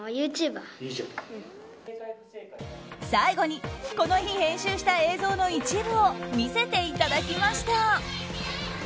最後にこの日編集した映像の一部を見せていただきました。